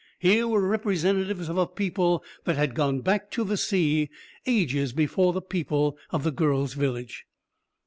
Here were representatives of a people that had gone back to the sea ages before the people of the girl's village.